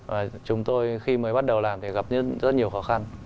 và chúng tôi khi mới bắt đầu làm thì gặp rất nhiều khó khăn